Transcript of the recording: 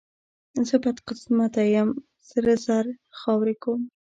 زه بدقسمته یم، سره زر خاورې کوم.